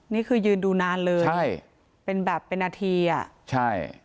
นี่คือยืนดูนานเลยใช่เป็นแบบเป็นนาทีอ่ะใช่